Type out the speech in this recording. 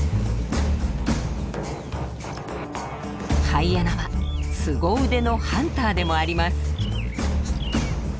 ハイエナはすご腕のハンターでもあります。